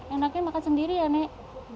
enaknya makan sendiri ya nek